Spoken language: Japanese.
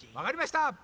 わかりました！